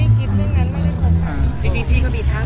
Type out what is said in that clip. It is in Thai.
เออคุยเรื่องงานกับคนช้า